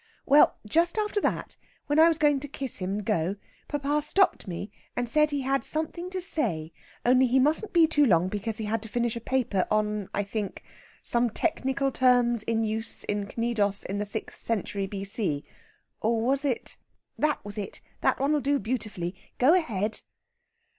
"Well, just after that, when I was going to kiss him and go, papa stopped me, and said he had something to say, only he mustn't be too long because he had to finish a paper on, I think, 'Some Technical Terms in use in Cnidos in the Sixth Century, B.C.' Or was it...?" "That was it. That one'll do beautifully. Go ahead!"